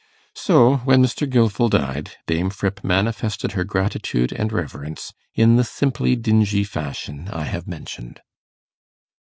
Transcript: So, when Mr. Gilfil died, Dame Fripp manifested her gratitude and reverence in the simply dingy fashion I have mentioned.